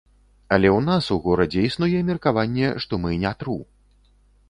Але ў нас у горадзе існуе меркаванне, што мы не тру.